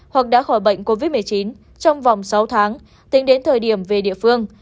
hoặc đã khỏi bệnh covid một mươi chín trong vòng sáu tháng tính đến thời điểm về địa phương